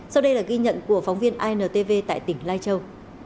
sau đây là ghi nhận của phóng viên intv tại tỉnh lai châu